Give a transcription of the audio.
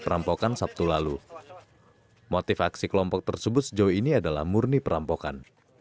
perampokan sabtu lalu motif aksi kelompok tersebut sejauh ini adalah murni perampokan